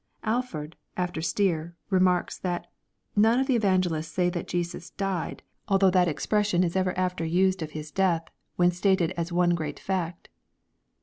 Alford, after Stier, remarks that " none of the evangelists saj that Jesus diedy although thai expression is ever after used of 484 EXP0SITC3Y THOUGHTS. Hi:* death, when stated as one great fact."